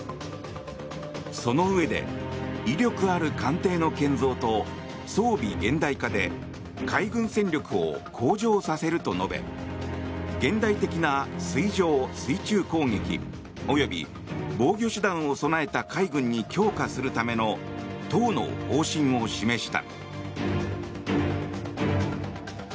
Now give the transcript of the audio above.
そのうえで威力ある艦艇の建造と装備現代化で海軍戦力を向上させると述べ現代的な水上・水中攻撃及び防御手段を備えた海軍に強化するための党の方針を示した。